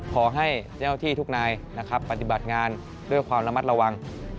ขอให้เจ้าที่ทุกนายนะครับปฏิบัติงานด้วยความระมัดระวัง